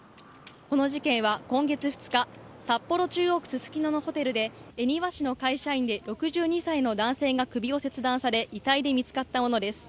この事件は今月２日札幌・中央区すすきののホテルで恵庭市の会社員で６２歳の男性が首を切断され遺体で見つかったものです。